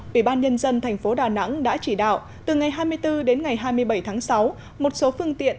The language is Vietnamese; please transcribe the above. ủy ban nhân dân thành phố đà nẵng đã chỉ đạo từ ngày hai mươi bốn đến ngày hai mươi bảy tháng sáu một số phương tiện